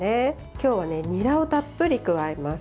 今日は、にらをたっぷり加えます。